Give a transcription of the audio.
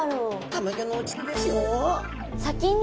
たまギョのうちでですよ。